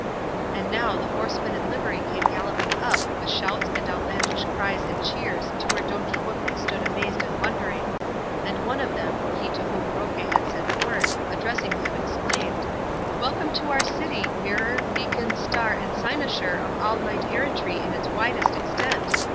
And now the horsemen in livery came galloping up with shouts and outlandish cries and cheers to where Don Quixote stood amazed and wondering; and one of them, he to whom Roque had sent word, addressing him exclaimed, "Welcome to our city, mirror, beacon, star and cynosure of all knight errantry in its widest extent!